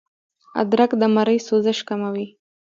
ادرک د مرۍ سوزش کموي